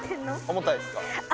重たいですか？